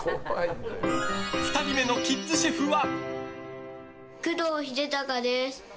２人目のキッズシェフは。